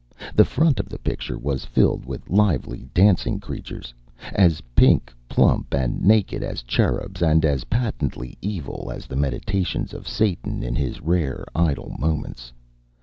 The front of the picture was filled with lively dancing creatures, as pink, plump and naked as cherubs and as patently evil as the meditations of Satan in his rare idle moments.